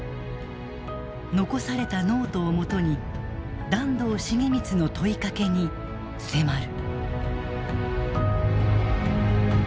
残されたノートをもとに團藤重光の問いかけに迫る。